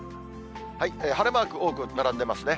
晴れマーク多く並んでいますね。